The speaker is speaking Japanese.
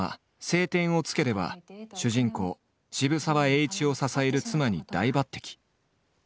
「青天を衝け」では主人公渋沢栄一を支える妻に大抜てき。